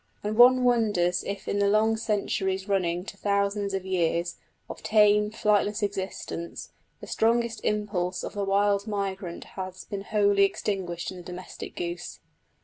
And one wonders if in the long centuries running to thousands of years, of tame flightless existence, the strongest impulse of the wild migrant has been wholly extinguished in the domestic goose?